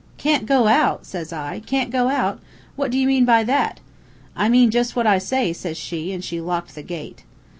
"'Can't go out!' says I. 'Can't go out! What do you mean by that?' "'I mean jus' what I say,' said she, an' she locked the gate.